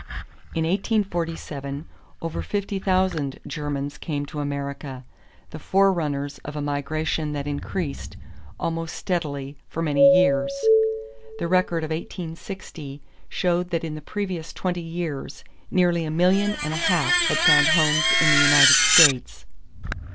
In 1847 over fifty thousand Germans came to America, the forerunners of a migration that increased, almost steadily, for many years. The record of 1860 showed that in the previous twenty years nearly a million and a half had found homes in the United States.